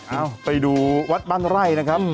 เอ้าไปดูวัดบ้านไร่นะครับ